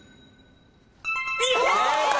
正解！